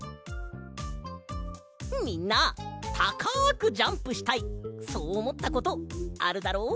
みんなたかくジャンプしたいそうおもったことあるだろ？